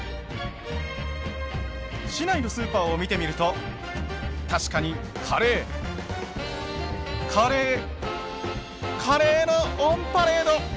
市内のスーパーを見てみると確かにカレーカレーカレーのオンパレード。